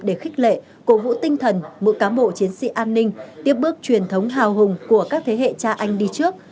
để khích lệ cố vũ tinh thần mỗi cám bộ chiến sĩ an ninh tiếp bước truyền thống hào hùng của các thế hệ cha anh đi trước